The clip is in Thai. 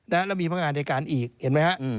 และมีพระงานในการอีกเห็นไหมครับ